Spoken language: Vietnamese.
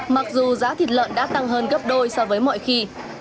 mặc dù giá thịt lợn đã tăng hơn gấp đôi so với mọi khi